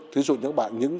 thí dụ như những bản những cái